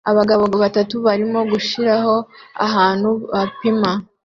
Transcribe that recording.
Abagabo batatu barimo gushiraho ahantu bapima